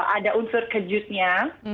ada unsur kejutnya